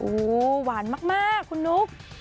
โอ้โหหวานมากคุณนุ๊ก